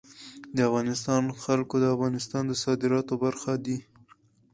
د افغانستان جلکو د افغانستان د صادراتو برخه ده.